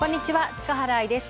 塚原愛です。